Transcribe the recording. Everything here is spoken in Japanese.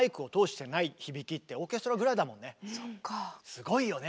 すごいよね。